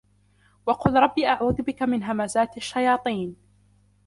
وَقُلْ رَبِّ أَعُوذُ بِكَ مِنْ هَمَزَاتِ الشَّيَاطِينِ